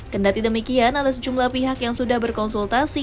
kendati demikian ada sejumlah pihak yang sudah berkonsultasi